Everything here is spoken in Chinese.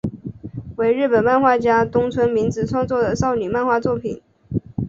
为日本漫画家东村明子创作的少女漫画作品。